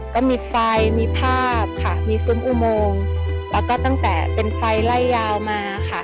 ก็มีไฟมีภาพค่ะมีซุ้มอุโมงแล้วก็ตั้งแต่เป็นไฟไล่ยาวมาค่ะ